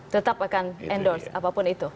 tetap akan endorse apapun itu